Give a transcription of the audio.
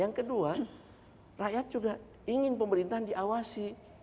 yang kedua rakyat juga ingin pemerintahan diawasi